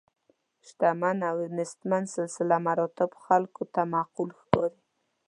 شتمن او نیستمن سلسله مراتبو خلکو ته معقول ښکاري.